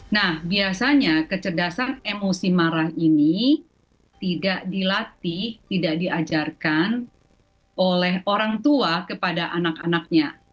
nah biasanya kecerdasan emosi marah ini tidak dilatih tidak diajarkan oleh orang tua kepada anak anaknya